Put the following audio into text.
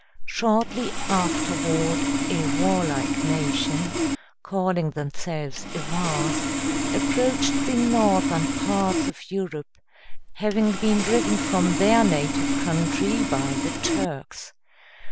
Shortly afterward a warlike nation, calling themselves Avars, approached the northern parts of Europe, having been driven from their native country by the Turks.